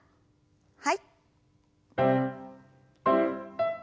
はい。